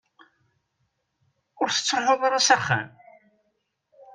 Ur tettruḥuḍ ara s axxam?